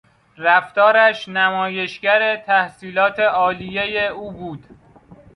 رفتارش نمایشگر تحصیلات عالیهی او بود.